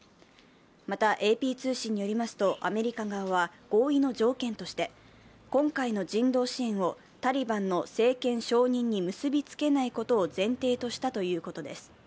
また、ＡＰ通信によりますとアメリカ側は合意の条件として今回の人道支援をタリバンの政権承認に結びつけないことを前提としたということです。